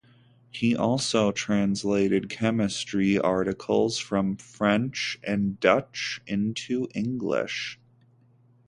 He also translated chemistry articles from French and Dutch into English.